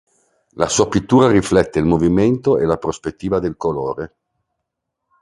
La sua pittura riflette il movimento e la prospettiva del colore.